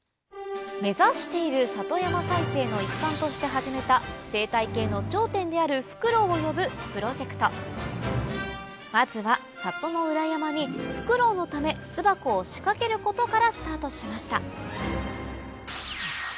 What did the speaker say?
目指している里山再生の一環として始めた生態系の頂点であるフクロウを呼ぶプロジェクトまずは里の裏山にフクロウのため巣箱を仕掛けることからスタートしました